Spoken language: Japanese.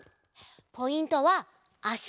ポイントはあし。